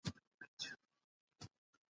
کمپيوټر د کار دپاره ډېر ګټور دی.